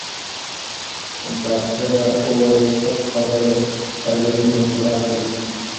ډاکټره وویل، سپک خواړه د کالورۍ مهمه برخه دي.